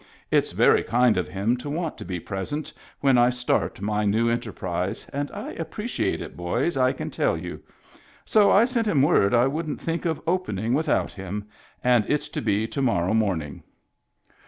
It's very kind of him to want to be present when I start my new enter prise, and I appreciate it, boys, I can tell you. So I sent him word I wouldn't think of opening without him, and it's to be to morrow morning."